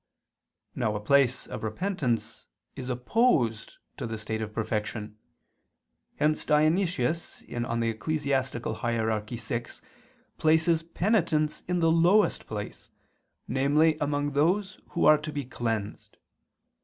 Now a place of repentance is opposed to the state of perfection; hence Dionysius (Eccl. Hier. vi) places penitents in the lowest place, namely among those who are to be cleansed.